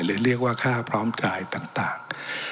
หรือเรียกว่าค่าพร้อมจ่ายต่าง